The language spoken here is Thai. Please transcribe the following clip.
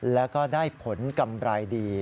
แล้วก็ได้ผลกำไรดี